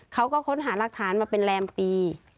เขาก็ค้นหารักฐานมาเป็นแรมปี